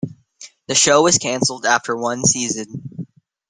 The show was canceled after one season.